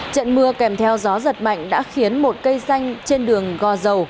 trận mưa kèm theo gió giật mạnh đã khiến một cây xanh trên đường gò dầu